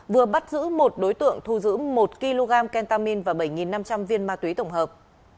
vừa bắt giữ một đối tượng thu giữ một kg kentamin và bảy năm trăm linh viên ma túy tổng hợp